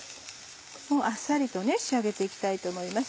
もうあっさりと仕上げて行きたいと思います。